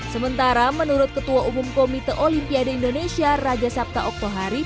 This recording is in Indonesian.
sementara menurut ketua umum komite olimpiade indonesia raja sabta oktohari